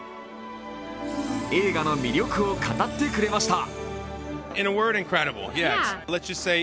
映画の魅力を語ってくれました。